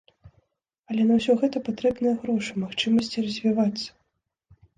Але на ўсё гэта патрэбныя грошы, магчымасці развівацца.